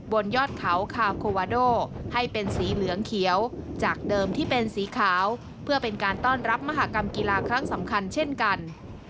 บนยอดเขาคาโควาโดให้เป็นสีเหลืองเขียวจากเดิมที่เป็นสีขาวเพื่อเป็นการต้อนรับมหากรรมกีฬาครั้งสำคัญเช่นกัน